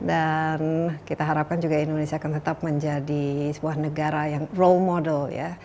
dan kita harapkan juga indonesia akan tetap menjadi sebuah negara yang role model